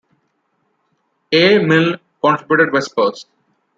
A. Milne contributed Vespers.